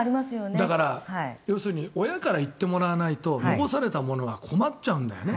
だから要するに親から言ってもらわないと残された者は困っちゃうんだよね。